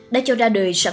đã cho ra đời sẵn sàng